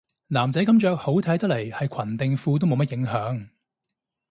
男仔噉着好睇得嚟係裙定褲都冇乜影響